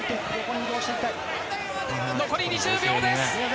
残り２０秒です。